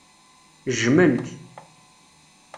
Jjmen-k.